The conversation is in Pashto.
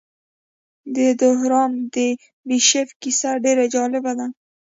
د دورهام د بیشپ کیسه ډېره جالبه ده.